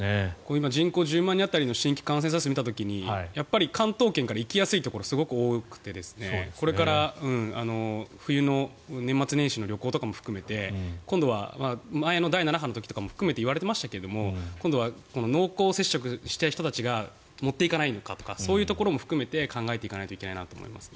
今、人口１０万人当たりの新規感染者数を見た時にやっぱり関東圏から行きやすいところがすごく多くてこれから冬の年末年始の旅行とかも含めて今度は前の第７波の時も含めて言われていましたけど今度は濃厚接触した人たちが持っていかないのかとかそういうところも含めて考えていかないといけないなと思います。